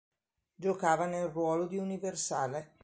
Giocava nel ruolo di universale.